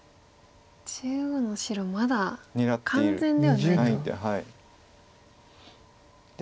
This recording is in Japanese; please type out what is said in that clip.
中央の白まだ完全ではないと。